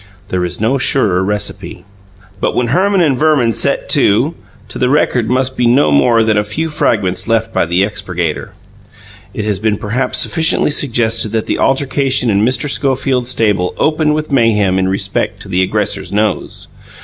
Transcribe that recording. There is no surer recipe. But when Herman and Verman set to 't the record must be no more than a few fragments left by the expurgator. It has been perhaps sufficiently suggested that the altercation in Mr. Schofield's stable opened with mayhem in respect to the aggressor's nose.